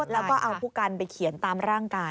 แล้วก็เอาผู้กันไปเขียนตามร่างกาย